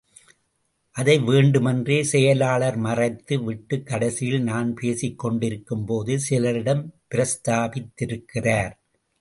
அதை வேண்டுமென்றே செயலாளர் மறைத்து விட்டுக் கடைசியில் நான் பேசிக் கொண்டிருக்கும்போது சிலரிடம் பிரஸ்தாபித்திருக்கிறார்.